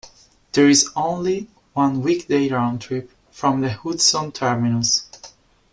There is only one weekday round trip from the Hudson terminus.